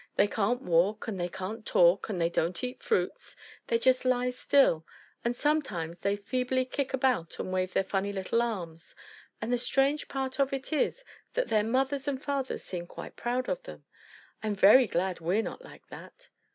They can't walk, and they can't talk, and they don't eat fruits they just lie still, and sometimes they feebly kick about and wave their funny little arms, and the strange part of it is that their mothers and fathers seem quite proud of them. I'm very glad we're not like that."